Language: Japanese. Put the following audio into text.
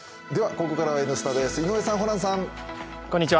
ここからは「Ｎスタ」です、井上さん、ホランさん。